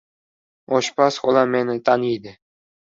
Oshpaz xola meni taniydi.